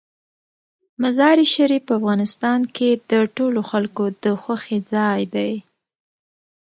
مزارشریف په افغانستان کې د ټولو خلکو د خوښې ځای دی.